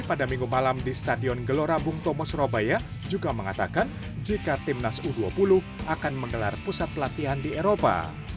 pada minggu malam di stadion gelora bung tomo surabaya juga mengatakan jika timnas u dua puluh akan menggelar pusat pelatihan di eropa